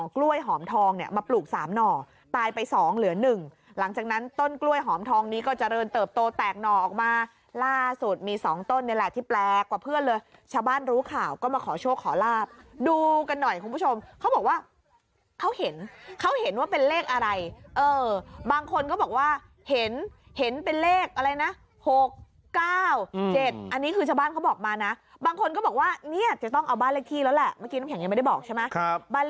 กล้วยหอมทองเนี่ยมาปลูก๓หน่อตายไป๒เหลือ๑หลังจากนั้นต้นกล้วยหอมทองนี้ก็เจริญเติบโตแตกหน่อมาล่าสุดมี๒ต้นเนี่ยแหละที่แปลกกว่าเพื่อนเลยชาวบ้านรู้ข่าวก็มาขอโชคขอลาบดูกันหน่อยคุณผู้ชมเขาบอกว่าเขาเห็นเขาเห็นว่าเป็นเลขอะไรเออบางคนก็บอกว่าเห็นเห็นเป็นเลขอะไรนะ๖๙๗อันนี้คือชาวบ้านเขาบอกมา